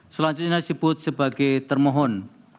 selanjutnya disebut sebagai termohon